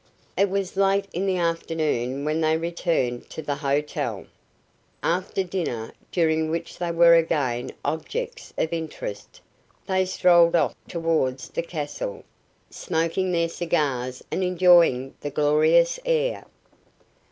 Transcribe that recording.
It was late in the afternoon when they returned to the hotel. After dinner, during which they were again objects of interest, they strolled off towards the castle, smoking their cigars and enjoying the glorious air.